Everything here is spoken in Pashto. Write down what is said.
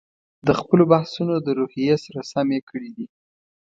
د خپلو بحثونو د روحیې سره سم یې کړي دي.